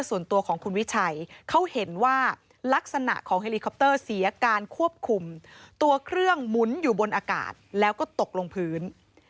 ส่วนตัวของคุณวิชัยเขาเห็นว่าลักษณะของเฮลิคอปเตอร์เสียการควบคุมตัวเครื่องหมุนอยู่บนอากาศแล้วก็ตกลงพื้น